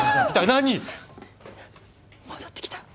何⁉戻ってきた。